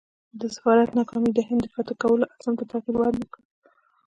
د سفارت ناکامي د هند د فتح کولو عزم ته تغییر ورنه کړ.